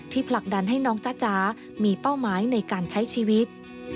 ผลักดันให้น้องจ๊ะจ๋ามีเป้าหมายในการใช้ชีวิต